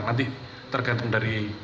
nanti tergantung dari